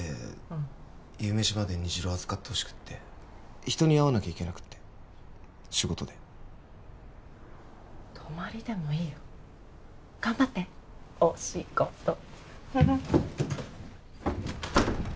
うん夕飯まで虹朗預かってほしくって人に会わなきゃいけなくって仕事で泊まりでもいいよ頑張っておしごと